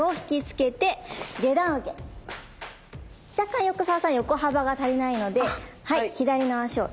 若干横澤さん横幅が足りないので左の足を。